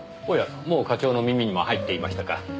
おやもう課長の耳にも入っていましたか。